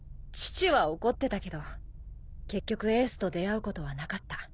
父は怒ってたけど結局エースと出会うことはなかった。